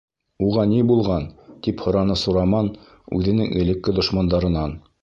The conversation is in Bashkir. Уға ни булған? тип һораны Сураман үҙенең элекке дошмандарынан.